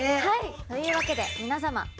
はいというわけでみなさま